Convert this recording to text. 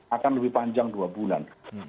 akan lebih panjang dua bulan